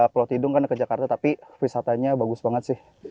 pulau tidung kan ke jakarta tapi wisatanya bagus banget sih